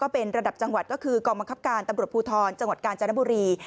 เป็นระดับจังหวัดก็คือกองบังคับการตำรวจภูทรจังหวัดกาญจนบุรี